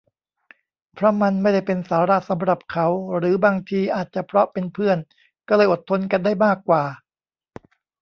เพราะมันไม่ได้เป็นสาระสำหรับเขา หรือ บางที อาจจะเพราะเป็นเพื่อน ก็เลยอดทนกันได้มากกว่า